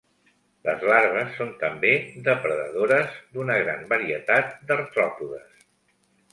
Les larves són també depredadores d'una gran varietat d'artròpodes.